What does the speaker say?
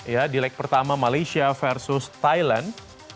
ya di leg pertama malaysia versus thailand